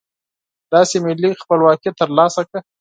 داسې ملي خپلواکي ترلاسه کړه.